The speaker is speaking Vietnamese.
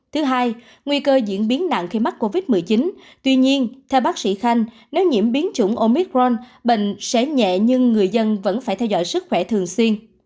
thứ hai nguy cơ diễn biến nặng khi mắc covid một mươi chín tuy nhiên theo bác sĩ khanh nếu nhiễm biến chủng omicron bệnh sẽ nhẹ nhưng người dân vẫn phải theo dõi sức khỏe thường xuyên